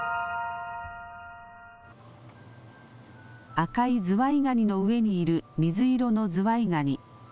赤いズワイガニの上にいる、水色のズワイガニ。